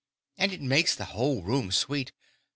"And it makes the whole room sweet.